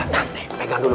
nah nih pegang dulu